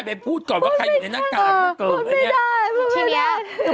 ไว้พูดก่อนว่าใครอยู่ในนากากมันเกิน